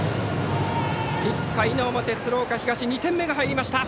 １回の表、鶴岡東２点目が入りました。